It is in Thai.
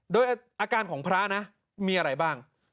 โดยอาการของพระนะมีอะไรบ้าง